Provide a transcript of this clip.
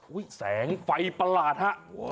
อุ้ยแสงไฟประหลาดฮะ